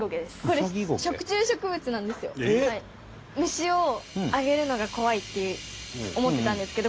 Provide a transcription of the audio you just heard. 虫をあげるのが怖いって思ってたんですけど